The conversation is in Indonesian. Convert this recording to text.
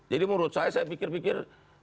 jadi menurut saya saya pikir pikir